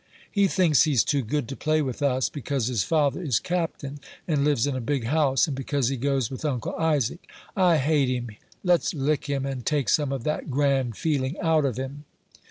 "He thinks he's too good to play with us, because his father is captain, and lives in a big house, and because he goes with Uncle Isaac; I hate him; let's lick him, and take some of that grand feeling out of him."